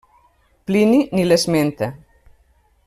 Plini ni l'esmenta.